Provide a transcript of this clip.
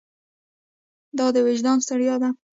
دا د وجدان ستړیا ده.